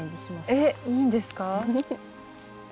えっいいんですか？